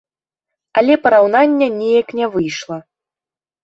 Але параўнання неяк не выйшла.